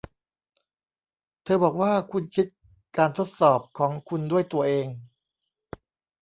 เธอบอกว่าคุณคิดการทดสอบของคุณด้วยตัวเอง